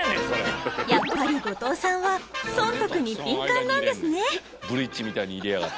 やっぱり後藤さんは損得に敏感なんですね。